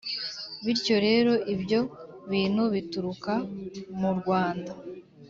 bityo rero ibyo bintu bituruka mu rwanda